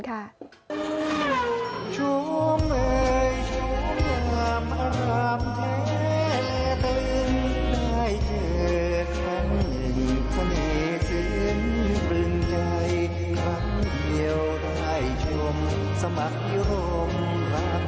คำเดียวได้ชมสมัครยมรักใคร